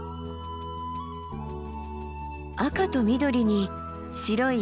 赤と緑に白い